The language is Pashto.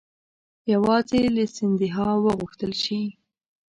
یوازې له سیندهیا وغوښتل شي.